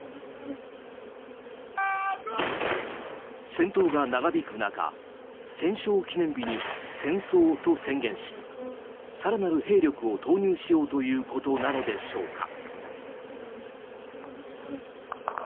戦闘が長引く中戦勝記念日に戦争と宣言し更なる兵力を投入しようということなのでしょうか。